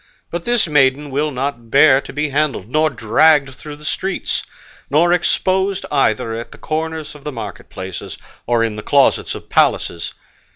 But this maiden will not bear to be handled, nor dragged through the streets, nor exposed either at the corners of the market places, or in the closets of palaces.